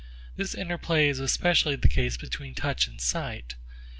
This interplay is especially the case between touch and sight.